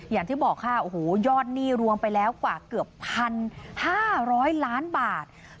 อย่างที่บอกค่ะโอ้โหยอดหนี้รวมไปแล้วกว่าเกือบ๑๕๐๐ล้านบาท